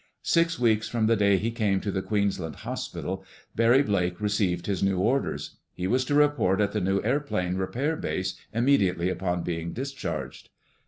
Six weeks from the day he came to the Queensland hospital, Barry Blake received his new orders. He was to report at the new airplane repair base immediately upon being discharged.